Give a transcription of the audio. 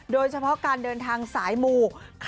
โดยเฉพาะการเดินทางสายหมู่